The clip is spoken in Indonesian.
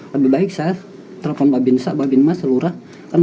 lebih baik saya telepon mbak bin mas mbak bin mas seluruh orang